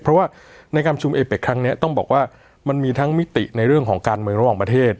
เพราะว่าในการชุมเอเป็กครั้งนี้ต้องบอกว่ามันมีทั้งมิติในเรื่องของการเมืองระหว่างประเทศ